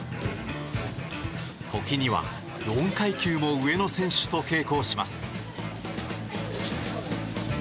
時には４階級も上の選手と稽古をします。